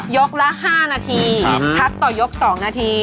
ละ๕นาทีพักต่อยก๒นาที